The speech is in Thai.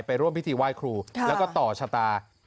ร่วมพิธีไหว้ครูแล้วก็ต่อชะตา